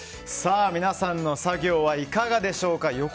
皆さんの作業はいかがでしょうか。